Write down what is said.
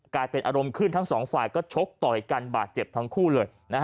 กลายเป็นอารมณ์ขึ้นทั้งสองฝ่ายก็ชกต่อยกันบาดเจ็บทั้งคู่เลย